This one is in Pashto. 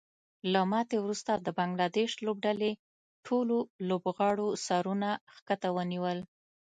له ماتې وروسته د بنګلادیش لوبډلې ټولو لوبغاړو سرونه ښکته ونیول